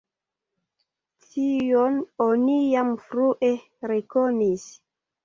Tion oni jam frue rekonis.